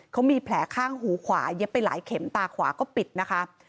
เขามีแผลข้างหูขวาเย็บไปหลายเข็มตาขวาก็ปิดนะคะ